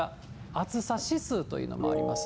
暑さ指数というのもあります。